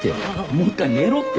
もう一回寝ろって！